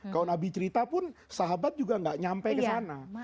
kalau nabi cerita pun sahabat juga gak nyampe kesana